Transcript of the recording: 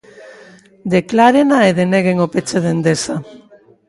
Declárena e deneguen o peche de Endesa.